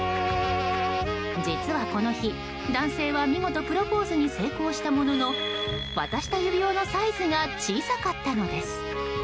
実はこの日、男性は見事プロポーズに成功したものの渡した指輪のサイズが小さかったのです。